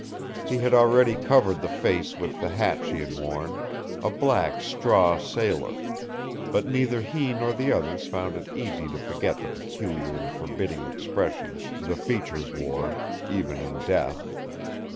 He had already covered the face with the hat she had worn, a black straw sailor; but neither he nor the others found it easy to forget the peculiar and forbidding expression the features wore, even in death.